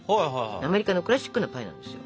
アメリカのクラシックなパイなんですよ。